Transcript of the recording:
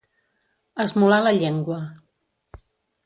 Esmolar la llengua.